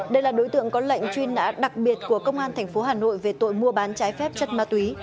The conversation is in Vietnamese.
đây là đối tượng có lệnh truy nã đặc biệt của công an tp hà nội về tội mua bán trái phép chất ma túy